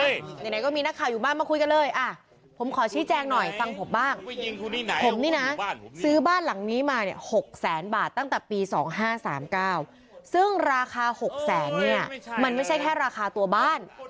ไหนไหนก็มีนักข่าวอยู่บ้านมาคุยกันเลยอ่ะผมขอชื่อแจงหน่อยฟังผมบ้าง